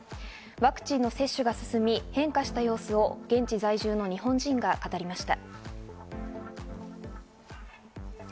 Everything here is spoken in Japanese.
ワクチンの接種が進み変化した様子を現地在住の日本人が語りました。